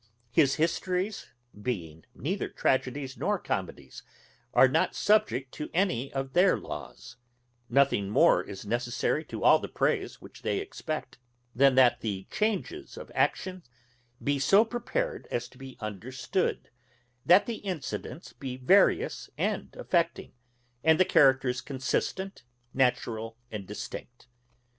His histories, being neither tragedies nor comedies are not subject to any of their laws; nothing more is necessary to all the praise which they expect, than that the changes of action be so prepared as to be understood, that the incidents be various and affecting, and the characters consistent, natural, and distinct.